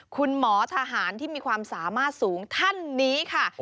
คุณหมอทหารที่มีความสามารถสูงท่านนี้ค่ะ